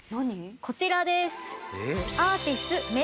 こちらです！